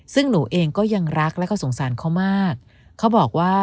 ซึ่งหนูเองก็ยังรักแล้วก็สงสารเขามากเขาบอกว่า